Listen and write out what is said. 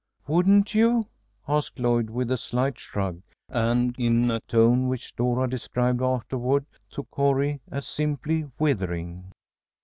"Wouldn't you?" asked Lloyd, with a slight shrug, and in a tone which Dora described afterward to Cornie as simply withering.